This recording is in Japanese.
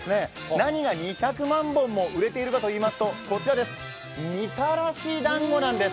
何が２００万本も売れているかといいますとみたらしだんごなんです。